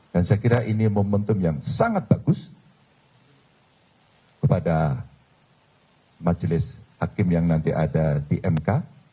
dan saya kira ini momentum yang sangat bagus kepada majelis hakim yang nanti ada di mk